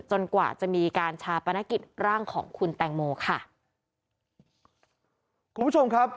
กว่าจะมีการชาปนกิจร่างของคุณแตงโมค่ะคุณผู้ชมครับ